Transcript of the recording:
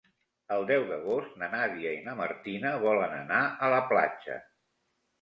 El deu d'agost na Nàdia i na Martina volen anar a la platja.